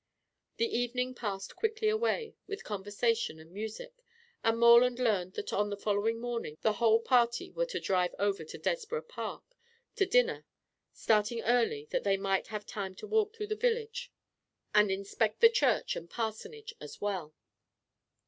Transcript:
The evening passed quickly away with conversation and music, and Morland learned that on the following morning the whole party were to drive over to Desborough Park to dinner, starting early that they might have time to walk through the village and inspect the church and parsonage as well.